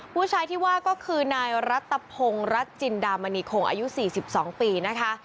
ผู้ชายที่ว่าก็คือนายรัฐพงศ์รัฐจินดามณีคงอายุ๔๒ปีนะคะ